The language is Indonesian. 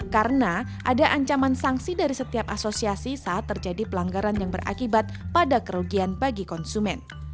karena ada ancaman sanksi dari setiap asosiasi saat terjadi pelanggaran yang berakibat pada kerugian bagi konsumen